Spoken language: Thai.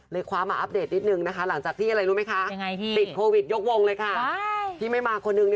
เลยคว้ามาอัปเดตนิดนึงนะคะหลังจากที่อะไรรู้ไหมคะ